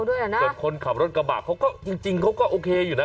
ส่วนคนขับรถกระบะเขาก็จริงเขาก็โอเคอยู่นะ